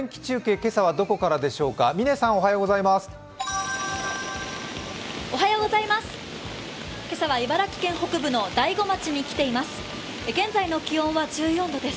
今朝は茨城県北部の大子町に来ています。